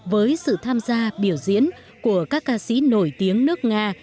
với sự tham gia biểu diễn của các ca sĩ nổi tiếng nước nga